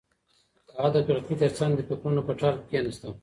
هغه د کړکۍ تر څنګ د فکرونو په ټال کې کېناسته.